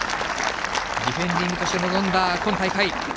ディフェンディングとして臨んだ今大会。